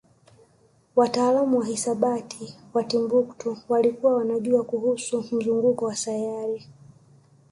wataalamu wa hisabati wa Timbuktu walikuwa wanajua kuhusu mzunguko wa sayari